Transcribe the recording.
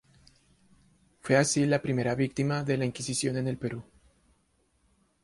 Fue así la primera víctima de la Inquisición en el Perú.